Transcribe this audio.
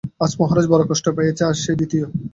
আজ মহারাজ, বড়ো কষ্ট পাইয়াছি, আজ সে– দ্বিতীয়।